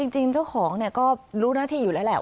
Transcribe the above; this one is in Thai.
จริงเจ้าของก็รู้หน้าที่อยู่แล้วแหละ